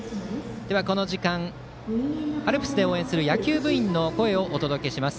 この時間、アルプスで応援する野球部員の声をお届けします。